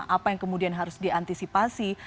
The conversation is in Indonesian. apa yang kemudian harus diantisipasi